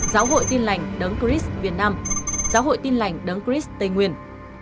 giáo hội tin lành đấng cris việt nam giáo hội tin lành đấng cris tây nguyên